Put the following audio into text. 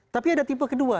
tapi ada tipe kedua